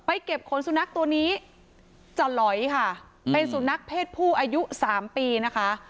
เก็บขนสุนัขตัวนี้จะหลอยค่ะเป็นสุนัขเพศผู้อายุสามปีนะคะ